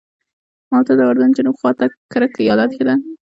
موته د اردن جنوب خواته کرک ایالت کې ده.